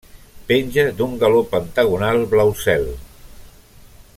Penja d'un galó pentagonal blau cel.